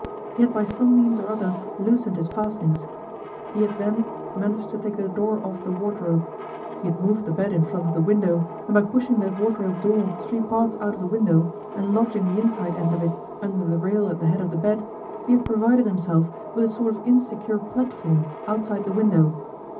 He had by some means or other loosened his fastenings; he had then managed to take the door off the wardrobe. He had moved the bed in front of the window, and by pushing the wardrobe door three parts out of the window and lodging the inside end of it under the rail at the head of the bed, he had provided himself with a sort of insecure platform outside the window.